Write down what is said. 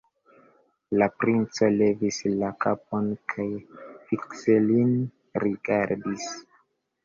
La princo levis la kapon kaj fikse lin rigardis.